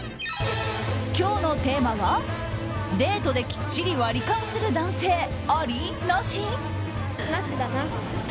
今日のテーマはデートできっちり割り勘する男性あり？